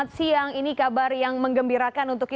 dan bagaimana perkembangan terkini